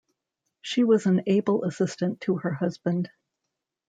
She was an able assistant to her husband.